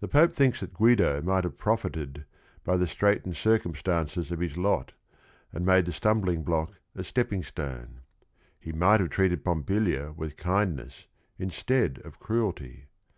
The Pope thinks that Guido might have profited by the straitened circumstances of his lot, and made the stumbling block a stepping stone. He might have treated Pompilia with kindness in stead of cruelty.